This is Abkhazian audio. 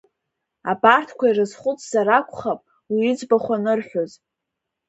Абарҭқәа ирызхәыцзар акәхап уи иӡбахә анырҳәоз.